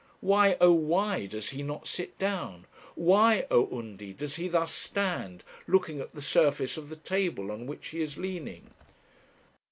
Why, oh, why does he not sit down? why, O Undy, does he thus stand, looking at the surface of the table on which he is leaning?